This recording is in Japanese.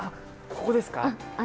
ここですか？